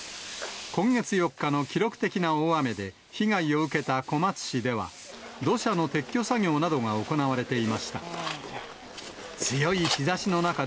今月４日の記録的な大雨で、被害を受けた小松市では、土砂の撤去作業などが行われていました。